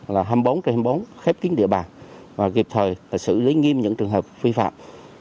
là hai mươi bốn trên hai mươi bốn khép kín địa bàn và kịp thời xử lý nghiêm những trường hợp vi phạm